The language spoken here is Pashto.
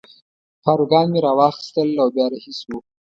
پاروګان مې را واخیستل او بیا رهي شوو.